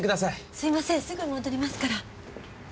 すいませんすぐ戻りますから。